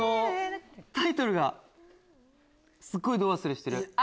タイトルがすごい度忘れしてる。